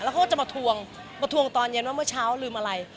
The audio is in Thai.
เขาก็จะมาทวงมาทวงตอนเย็นว่าเมื่อเช้าลืมอะไร